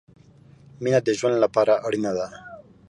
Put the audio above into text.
مينه د ژوند له پاره اړينه ده